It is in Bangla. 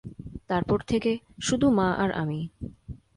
তারপর থেকে, শুধু মা আর আমি।